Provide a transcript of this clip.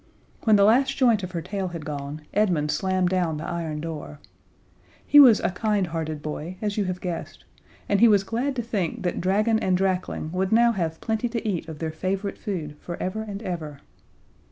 When the last joint of her tail had gone Edmund slammed down the iron door. He was a kindhearted boy, as you have guessed, and he was glad to think that dragon and drakling would now have plenty to eat of their favorite food, forever and ever.